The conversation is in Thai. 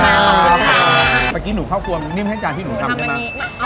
เมื่อกี้หนูครอบครัวนิ้มให้จานที่หนูทำใช่ไหมเหมือนเกิร็จในเรื่องนี้